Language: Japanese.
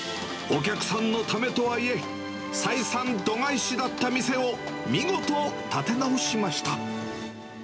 お客さんのためとはいえ、採算度外視だった店を見事立て直しました。